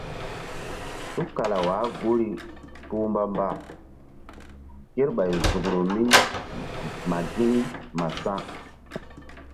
Tukala wah guri kpuh mbamba kerɓay zukru mi ma gini ma sa̧.